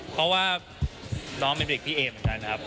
เพราะว่าน้องเป็นเด็กพี่เอเหมือนกันครับ